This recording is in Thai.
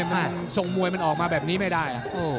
มันที่ส่งมวยมันออกมาแบบนี้ไม่ได้